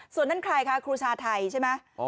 ส่วนนั้นใครคะครูชาไทยใช่ไหม